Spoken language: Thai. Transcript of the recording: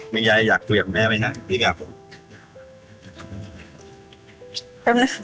แม่ยายอยากเกลียดแม่ไหมใช่ไหม